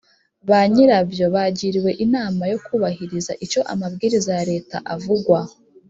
ba nyirabyo bagiriwe inama yo kubahiriza icyo amabwiriza ya leta avugwa